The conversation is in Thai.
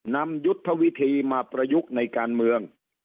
นำยุทธวิธีมาประยุกต์ในการเมือง